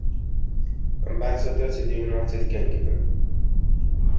Ambassador to the United Kingdom.